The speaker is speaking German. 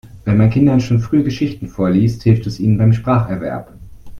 Wenn man Kindern schon früh Geschichten vorliest, hilft es ihnen beim Spracherwerb.